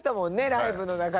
ライブの中で。